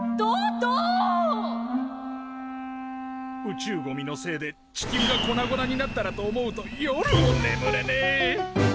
宇宙ゴミのせいで地球が粉々になったらと思うと夜もねむれねえ！